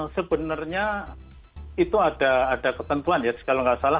sebenarnya itu ada ketentuan ya kalau nggak salah